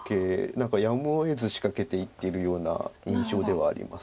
何かやむをえず仕掛けていってるような印象ではあります。